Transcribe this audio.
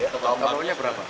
top up nya berapa